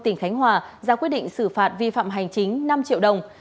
tỉnh khánh hòa ra quyết định xử phạt vi phạm hành chính năm triệu đồng